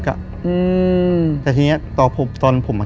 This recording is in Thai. คือก่อนอื่นพี่แจ็คผมได้ตั้งชื่อ